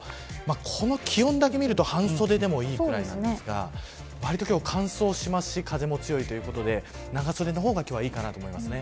この気温だけ見ると半袖でもいいくらいなんですがわりと今日、乾燥しますし風も強いということで長袖の方がいいかなと思いますね。